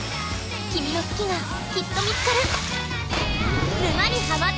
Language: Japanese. キミの「好き」がきっと見つかる。